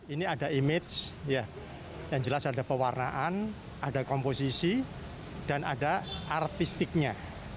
ini ada image yang jelas ada pewarnaan ada komposisi dan ada artistiknya